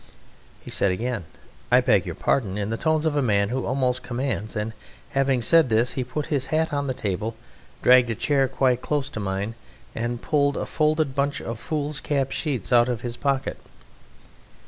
He said again "I beg your pardon" in the tones of a man who almost commands, and having said this he put his hat on the table, dragged a chair quite close to mine, and pulled a folded bunch of foolscap sheets out of his pocket.